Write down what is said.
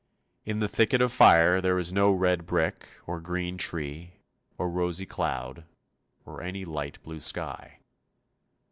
In the thicket of fire there is no red brick or green tree, or rosy cloud, or any light blue sky.